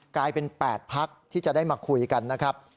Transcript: กลายเป็น๘พักที่จะได้มาคุยกันนะครับ